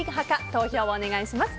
投票をお願いします。